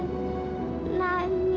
untuk aipah p event ii